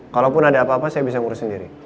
kalaupun ada apa apa saya bisa ngurus sendiri